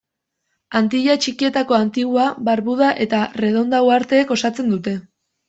Antilla Txikietako Antigua, Barbuda eta Redonda uharteek osatzen dute.